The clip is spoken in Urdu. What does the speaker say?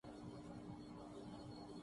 تیز بارش ہو